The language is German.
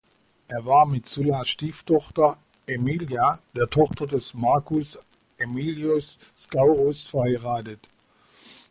Er war mit Sullas Stieftochter Aemilia, der Tochter des Marcus Aemilius Scaurus, verheiratet.